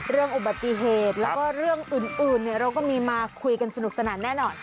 เรื่องอุบัติเหตุแล้วก็เรื่องอื่นเราก็มีมาคุยกันสนุกสนานแน่นอน